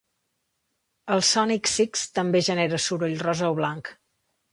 El Sonic Six també genera soroll rosa o blanc.